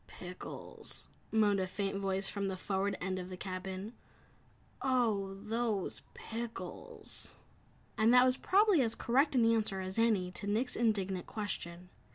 "Pickles!" moaned a faint voice from the forward end of the cabin, "Oh, those pickles!" And that was probably as correct an answer as any to Nick's indignant question.